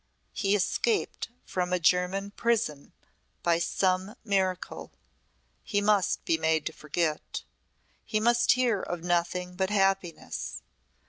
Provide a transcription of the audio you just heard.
"He escaped from a German prison by some miracle. He must be made to forget. He must hear of nothing but happiness.